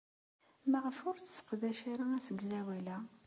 Maɣef ur tesseqdac ara asegzawal-a?